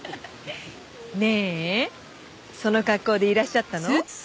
ねえその格好でいらっしゃったの？